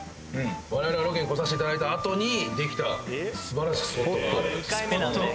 われわれがロケに来させていただいた後にできた素晴らしいスポットがあるんです。